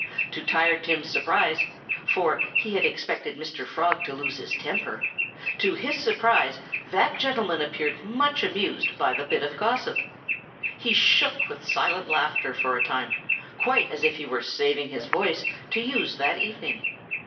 To Tired Tim's surprise for he had expected Mr. Frog to lose his temper to his surprise that gentleman appeared much amused by the bit of gossip. He shook with silent laughter for a time, quite as if he were saving his voice to use that evening.